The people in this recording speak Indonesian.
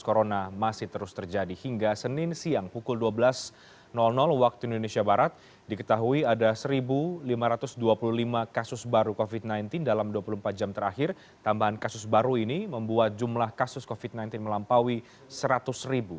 kisah kisah baru ini membuat jumlah kasus covid sembilan belas melampaui seratus ribu